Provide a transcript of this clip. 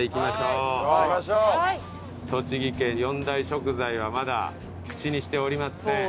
栃木県４大食材はまだ口にしておりません。